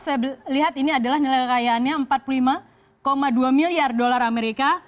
saya lihat ini adalah nilai kekayaannya empat puluh lima dua miliar dolar amerika